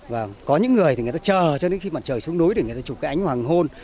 và có những người thì người ta chờ cho đến khi mặt trời xuống núi để người ta chụp cái ánh hoàng hôn